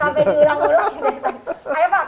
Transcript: sampai diulang dulu